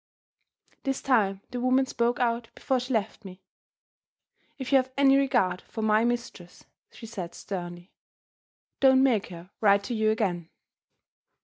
This time the woman spoke out before she left me. "If you have any regard for my mistress," she said sternly, "don't make her write to you again."